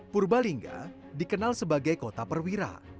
purbalingga dikenal sebagai kota perwira